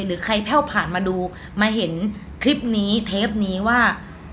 หรือใครแพ่วผ่านมาดูมาเห็นคลิปนี้เทปนี้ว่า